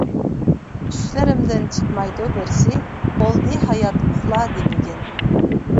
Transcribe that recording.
چۈشلىرىمدىن چىقمايدۇ بىرسى، بولدى ھايات ئۇخلا دېمىگىن.